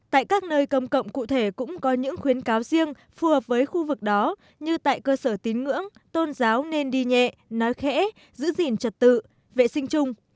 tại các nơi công cộng cụ thể cũng có những khuyến cáo riêng phù hợp với khu vực đó như tại cơ sở tín ngưỡng tôn giáo nên đi nhẹ nói khẽ giữ gìn trật tự vệ sinh chung